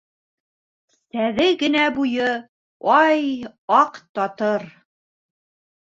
Сәҙе генә буйы, ай, аҡ татыр